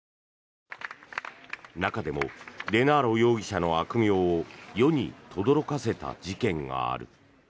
中でもデナーロ容疑者の悪名を世にとどろかせた事件がある。